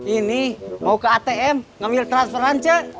ini mau ke atm ngambil transferan cek